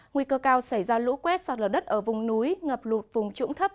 nguy cơ cao xảy ra lũ quét sạt lở đất ở vùng núi ngập lụt vùng trũng thấp